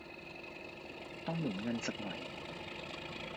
ต้องหมุนเงินสักหน่อย